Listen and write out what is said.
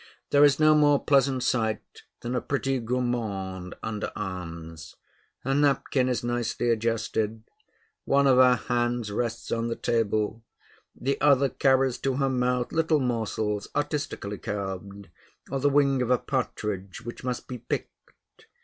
There is no more pleasant sight than a pretty gourmande under arms. Her napkin is nicely adjusted; one of her hands rests on the table, the other carries to her mouth little morsels artistically carved, or the wing of a partridge which must be picked.